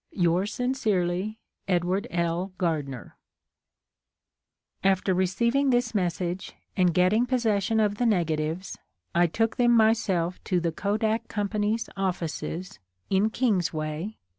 Yours sincerely, Edw. L. Gardner. After receiving this message and getting possession of the negatives I took them my self to the Kodak Company's Offices in 32 r..